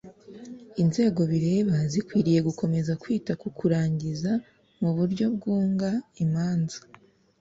Inzego bireba zikwiriye gukomeza kwita ku kurangiza mu buryo bwunga imanza